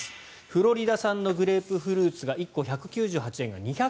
フロリダ産のグレープフルーツが１個１９８円が２９８円。